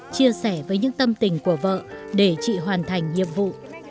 chia sẻ với những tâm tình của vợ để chị hoàn thành nhiệm vụ